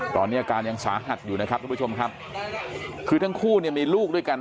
ตอนนี้อาการยังสาหัสอยู่นะครับทุกผู้ชมครับคือทั้งคู่เนี่ยมีลูกด้วยกัน